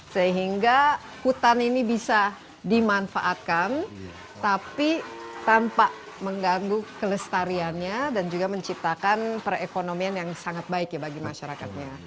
sehingga hutan ini bisa dimanfaatkan tapi tanpa mengganggu kelestariannya dan juga menciptakan perekonomian yang sangat baik ya bagi masyarakatnya